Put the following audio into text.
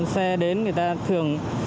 xe đến người ta thường